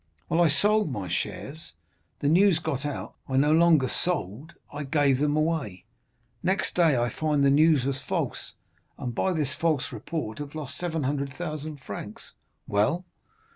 Well, I sold my shares, the news got out, and I no longer sold—I gave them away, next day I find the news was false, and by this false report I have lost 700,000 francs." "Well?"